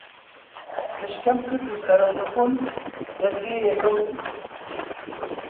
خشکەم کرد و سەرەونخوون دە زێیە کەوتم